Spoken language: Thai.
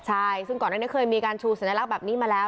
ใช่ซึ่งก่อนอันนี้เคยมีการชูสัญลักษณ์แบบนี้มาแล้ว